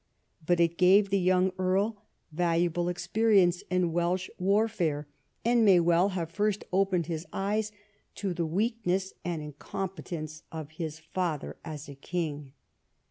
But it gave the young earl valuable experience in Welsh warfare, and may well have first opened his eyes to the weakness and incom petence of his father as a king.